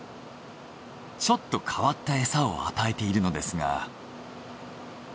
ちょっと変わったエサを与えているのですが。